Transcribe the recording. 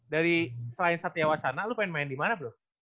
dari selain satya wacana lu pengen main dimana bro